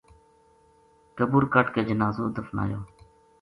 قبر کَڈ ھ کے جنازو دفنایو